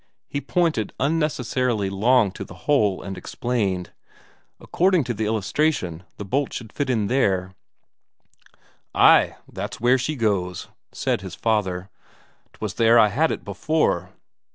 He pointed unnecessarily long to the hole and explained: "According to the illustration, the bolt should fit in there." "Ay, that's where she goes," said his father. "'Twas there I had it before."